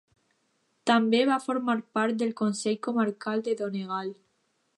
També va formar part del Consell Comarcal de Donegal.